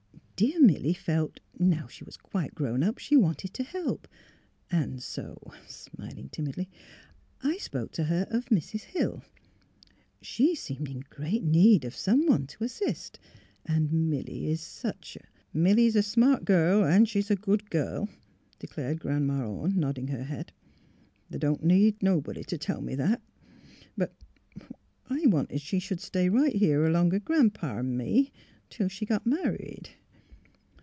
" Dear Milly felt that now she was quite grown up she wanted to help. And so "— smiling timidly —" I spoke to her of — Mrs. Hill. She seemed in great need of someone to — to assist, and Milly is such a ——"'* Milly 's a smart girl, an' she's a good girl," declared Grandma Orne, nodding her head. '' The' don't nobody need t' tell me that. But — I wanted she should stay right here along o' Gran 'pa an' me — till she got married."